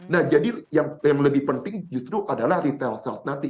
nah jadi yang lebih penting justru adalah retail sales nanti